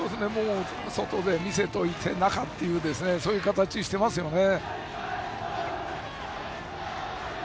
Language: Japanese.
外で見せておいて中という形をしていますね。